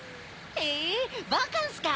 ・へぇバカンスか！